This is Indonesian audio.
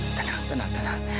tenang tenang tenang